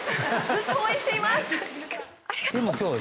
ずっと応援しています！